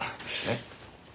えっ？